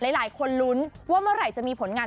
หลายคนลุ้นว่าเมื่อไหร่จะมีผลงาน